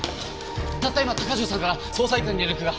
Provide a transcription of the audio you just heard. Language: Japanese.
たった今鷹城さんから捜査一課に連絡が。